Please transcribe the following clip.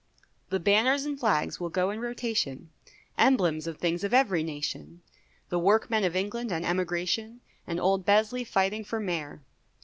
The banners and flags will go in rotation, Emblems of things of every nation, The workmen of England and emigration, And old Besley fighting for Mayor.